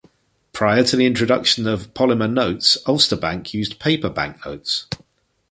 Prior to the introduction of polymer notes Ulster Bank used paper banknotes.